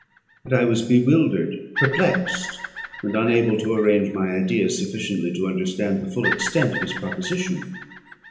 But I was bewildered, perplexed, and unable to arrange my ideas sufficiently to understand the full extent of his proposition.